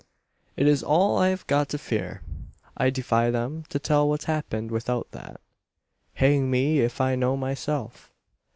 "It is all I've got to fear. I defy them to tell what's happened without that. Hang me if I know myself!